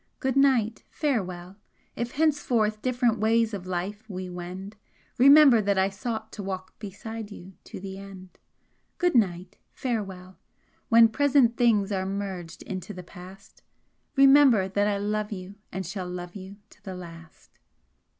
Good night, farewell! If henceforth different ways of life we wend, Remember that I sought to walk beside you to the end! Good night, farewell! When present things are merged into the past, Remember that I love you and shall love you to the last!